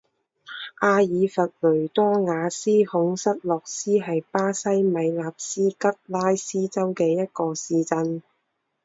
阿尔弗雷多瓦斯孔塞洛斯是巴西米纳斯吉拉斯州的一个市镇。